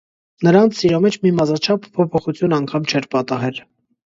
Նրանց սիրո մեջ մի մազաչափ փոփոխություն անգամ չէր պատահել.